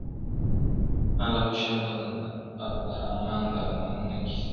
ها د خوشحال او د امان د ارمانونو کیسې,